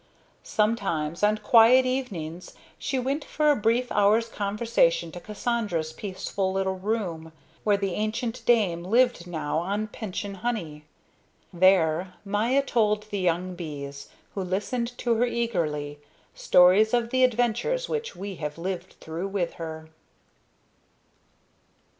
Sometimes on quiet evenings she went for a brief hour's conversation to Cassandra's peaceful little room, where the ancient dame lived now on pension honey. There Maya told the young bees, who listened to her eagerly, stories of the adventures which we have lived through with her.